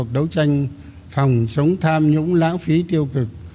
đấu tranh phòng chống tham nhũng lãng phí tiêu cực